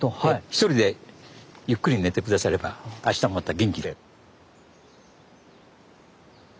一人でゆっくり寝て下さればあしたもまた元気で。